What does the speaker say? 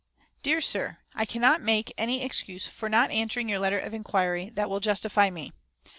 "DEAR SIR, I can not make any excuse for not answering your letter of inquiry that will justify me.